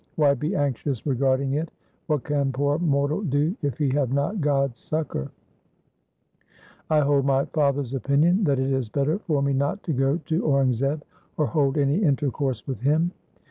Why be anxious regarding it ? What can poor mortal do if he have not God's succour ? I hold my father's opinion that it is better for me • not to go to Aurangzeb or hold any intercourse with him.'